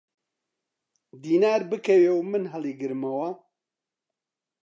دینار بکەوێ و من هەڵیگرمەوە!